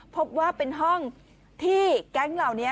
พบว่าเป็นห้องที่แก๊งเหล่านี้